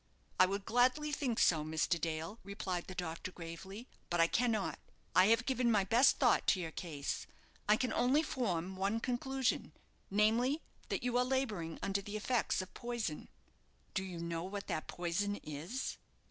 "I would gladly think so, Mr. Dale," replied the doctor, gravely; "but I cannot. I have given my best thought to your case. I can only form one conclusion namely, that you are labouring under the effects of poison." "Do you know what the poison is?"